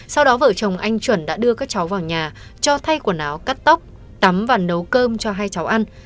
sau đó vợ chồng anh chuẩn đã đưa các cháu vào nhà cho thay quần áo cắt tóc tắm và nấu cơm cho hai cháu ăn